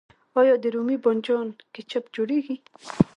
آیا د رومي بانجان کیچپ جوړیږي؟